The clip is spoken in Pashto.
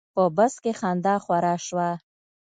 په بس کې خندا خوره شوه.